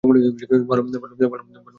ভালো-মন্দ যেমনই হই না কেন।